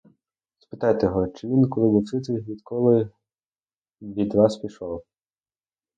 Спитайте його, чи він коли був ситий, відколи від вас пішов?